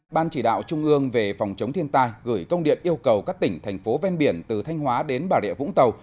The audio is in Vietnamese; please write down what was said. ban chỉ đạo trung ương về phòng chống thiên tai gửi công điện yêu cầu các tỉnh thành phố ven biển từ thanh hóa đến bà rịa vũng tàu